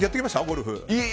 ゴルフ。